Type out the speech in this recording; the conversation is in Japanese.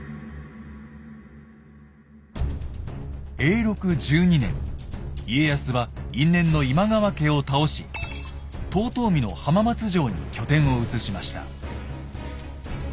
永禄１２年家康は因縁の今川家を倒し遠江の浜松城に拠点を移しました。